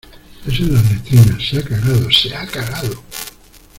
es en las letrinas. se ha cagado .¡ se ha cagado!